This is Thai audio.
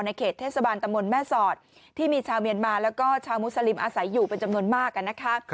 เขตเทศบาลตำบลแม่สอดที่มีชาวเมียนมาแล้วก็ชาวมุสลิมอาศัยอยู่เป็นจำนวนมากนะคะ